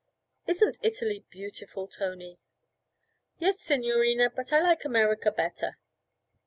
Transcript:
'Isn't Italy beautiful, Tony?' 'Yes, signorina, but I like America better.'